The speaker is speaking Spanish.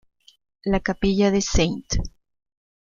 La capilla de St.